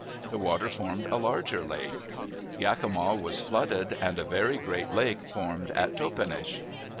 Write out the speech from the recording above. The water formed a larger lake. Ya kima was flooded and a very great lake formed at Toppenish.